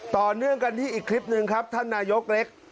ต่อเนื่องกันที่อีกคลิปหนึ่งครับท่านนายกเล็ก